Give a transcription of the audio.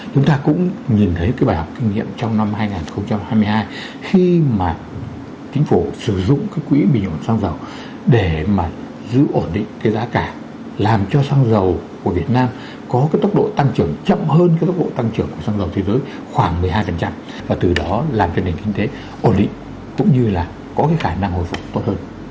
chúng ta cũng nhìn thấy bài học kinh nghiệm trong năm hai nghìn hai mươi hai khi mà chính phủ sử dụng quỹ bình ổn xăng dầu để giữ ổn định giá cả làm cho xăng dầu của việt nam có tốc độ tăng trưởng chậm hơn tốc độ tăng trưởng của xăng dầu thế giới khoảng một mươi hai và từ đó làm cho nền kinh tế ổn định cũng như là có khả năng hồi phục tốt hơn